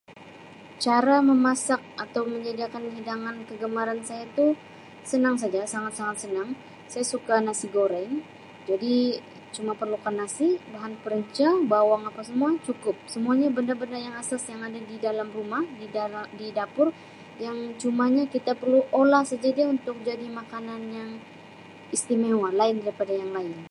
Cara memasak atau menyediakan hidangan kegemaran saya tu senang saja, sangat-sangat senang. Saya suka nasi goreng, jadi cuma perlukan nasi, bahan perencah bawang apa semua, cukup, semuanya benda-benda yang asas yang ada di dalam rumah, di dala-di dapur yang cumanya kita perlu olah saja dia untuk jadi makanan istimewa, lain daripada yang lain.